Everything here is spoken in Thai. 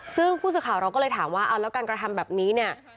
ซึ่งผู้สื่อข่าวเราก็เลยถามว่าเอาแล้วการกระทำแบบนี้เนี่ย